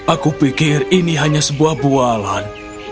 aku pikir ini hanya sebuah bualan